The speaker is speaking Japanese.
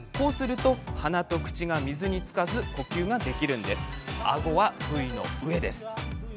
鼻と口が水につかず呼吸ができるんです。